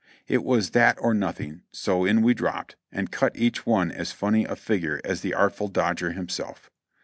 It was that or nothing, so in we dropped, and cut each one as funny a figure as the "Artful Dodger" himself.